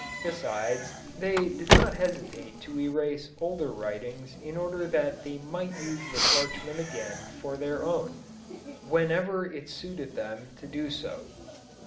Besides, they did not hesitate to erase older writings in order that they might use the parchment again for their own, whenever it suited them to do so.